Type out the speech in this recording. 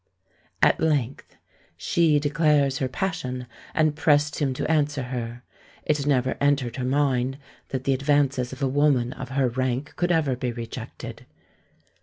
At length "she declares her passion, and pressed him to answer her. It never entered her mind that the advances of a woman of her rank could ever be rejected.